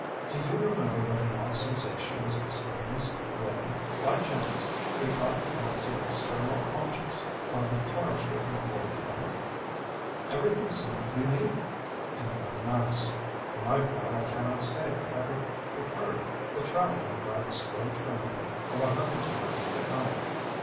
Do you remember what an odd sensation was experienced when, by chance, we caught a glimpse of external objects while the cars were in full flight? Every thing seemed unique—in one mass. For my part, I cannot say but that I preferred the travelling by the slow train of a hundred miles the hour.